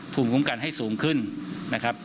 ภูมิคุ้มกันให้สูงขึ้นนะครับ